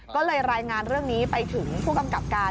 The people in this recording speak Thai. ก็เลยรายงานเรื่องนี้ไปถึงผู้กำกับการ